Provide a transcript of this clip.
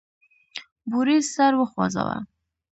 بوریس سر وخوزاوه.